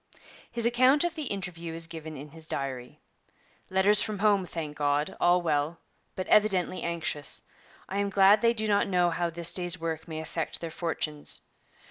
His account of the interview is given in his diary: 'Letters from home; thank God, all well, but evidently anxious. I am glad they do not know how this day's work may affect their fortunes.